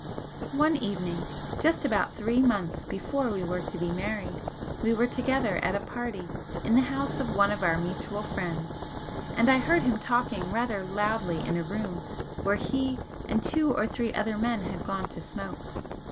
One evening, just about three months before we were to be married, we were together at a party in the house of one of our mutual friends, and I heard him talking rather loudly in a room where he and two or three other men had gone to smoke.